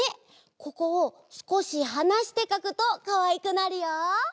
ここをすこしはなしてかくとかわいくなるよ。